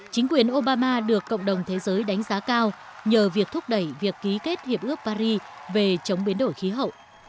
chính quyền obama được cộng đồng thế giới đánh giá cao nhờ việc thúc đẩy việc ký kết hiệp ước paris về chống biến đổi khí hậu